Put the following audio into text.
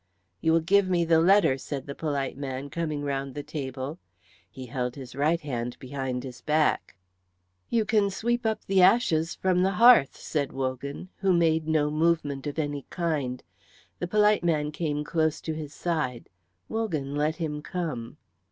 "You will give me the letter," said the polite man, coming round the table. He held his right hand behind his back. "You can sweep up the ashes from the hearth," said Wogan, who made no movement of any kind. The polite man came close to his side; Wogan let him come.